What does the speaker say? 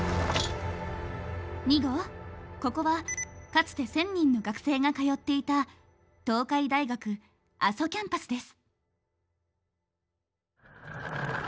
２号ここはかつて１，０００人の学生が通っていた東海大学阿蘇キャンパスです。